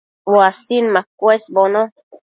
uasin machëshbono